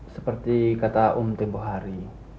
seperti kata om tempoh hari